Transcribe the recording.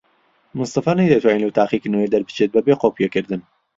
مستەفا نەیدەتوانی لەو تاقیکردنەوەیە دەربچێت بەبێ قۆپیەکردن.